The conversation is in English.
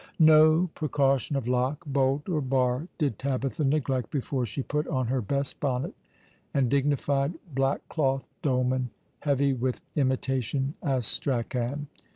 Ko precaution of lock, bolt, or bar did Tabitha neglect before she put on her best bonnet, and dignified black cloth dolman, heavy with imitation Astrachan.